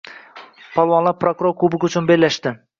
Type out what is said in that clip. Polvonlar prokuror kubogi uchun bellashdi